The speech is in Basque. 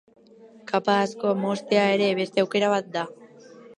Kapa asko moztea ere beste aukera bat da.